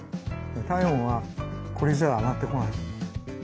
体温はこれじゃ上がってこない。